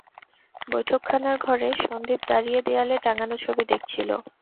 বৈঠকখানার ঘরে সন্দীপ দাঁড়িয়ে দেয়ালে টাঙানো ছবি দেখছিল।